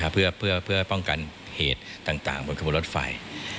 เพื่อป้องกันเหตุต่างบนขบวนรถไฟ